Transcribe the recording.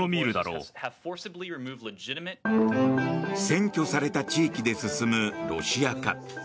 占拠された地域で進むロシア化。